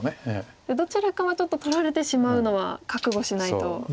どちらかはちょっと取られてしまうのは覚悟しないといけないんですか。